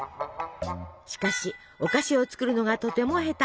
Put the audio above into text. しかしお菓子を作るのがとても下手。